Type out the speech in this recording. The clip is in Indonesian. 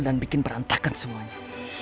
dan bikin perantakan semuanya